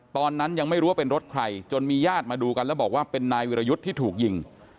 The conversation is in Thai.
ตอนนั้นยังไม่รู้ว่าเป็นรถใครจนมีญาติมาดูกันแล้วบอกว่าเป็นนายวิรยุทธ์ที่ถูกยิง